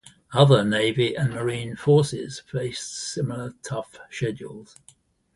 Other Navy and Marine forces faced similar tough schedules.